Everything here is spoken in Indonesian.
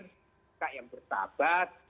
juga yang bersahabat